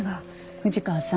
藤川さん。